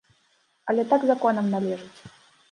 Але так законам належыць.